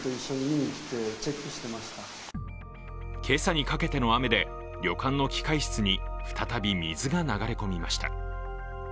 今朝にかけての雨で旅館の機械室に再び水が流れ込みました。